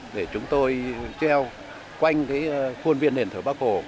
để chúng tôi treo quanh cái khuôn viên đền thờ bắc hồ